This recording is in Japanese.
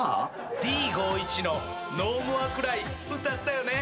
Ｄ−５１の『ＮＯＭＯＲＥＣＲＹ』歌ったよね。